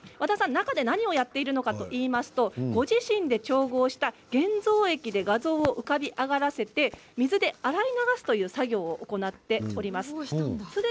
何をやっているのかといいますとご自身で調合した現像液で画像を浮かび上がらせて水で洗い流すという作業を行っています。